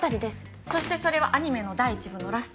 そしてそれはアニメの第一部のラスト。